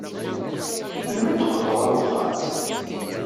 Melmi ay d-teqqleḍ ɣer wexxam?